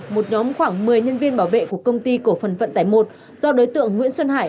một nhóm khoảng một mươi nhân viên bảo vệ của công ty cổ phần vận tải một do đối tượng nguyễn xuân hải